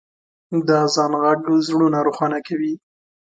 د اذان ږغ زړونه روښانه کوي.